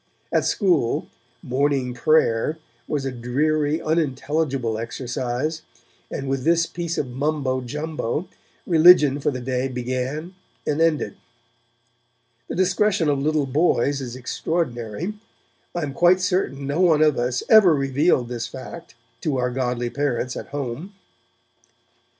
At school, 'morning prayer' was a dreary, unintelligible exercise, and with this piece of mumbo jumbo, religion for the day began and ended. The discretion of little boys is extraordinary. I am quite certain no one of us ever revealed this fact to our godly parents at home.